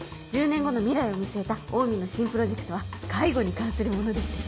１０年後の未来を見据えたオウミの新プロジェクトは介護に関するものでして。